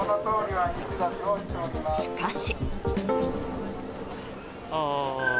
しかし。